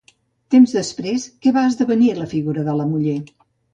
Temps després, què va esdevenir la figura de la muller?